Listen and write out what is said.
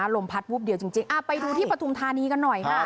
ลมพัดวูบเดี่ยวไปดูที่ปฐมธานีกันหน่อย